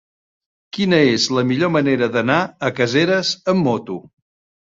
Quina és la millor manera d'anar a Caseres amb moto?